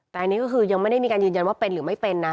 แต่อันนี้ก็คือยังไม่ได้มีการยืนยันว่าเป็นหรือไม่เป็นนะ